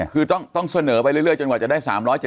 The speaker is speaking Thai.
คือต้องเสนอไปเรื่อยจนกว่าจะได้๓๗๐